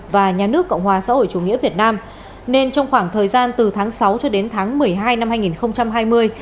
và nhà nước cộng hòa xã hội chủ nghĩa việt nam nên trong khoảng thời gian từ tháng sáu cho đến tháng một mươi hai năm hai nghìn hai mươi